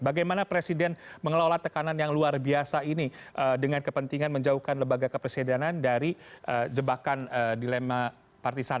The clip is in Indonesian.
bagaimana presiden mengelola tekanan yang luar biasa ini dengan kepentingan menjauhkan lembaga kepresidenan dari jebakan dilema partisan